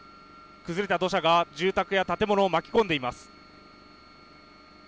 崩れた土砂が住宅や建物を巻き込んでいます。